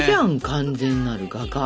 完全なる画家。